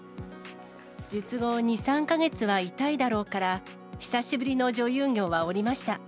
術後２、３か月は痛いだろうから、久しぶりの女優業は降りました。